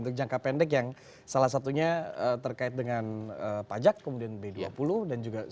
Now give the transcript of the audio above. untuk jangka pendek yang salah satunya terkait dengan pajak kemudian b dua puluh dan juga